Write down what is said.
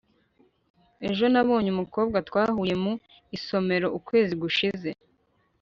ejo nabonye umukobwa twahuye mu isomero ukwezi gushize